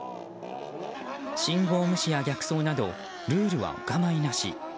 信号無視や逆走などルールはお構いなし。